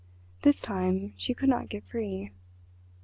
This time she could not get free.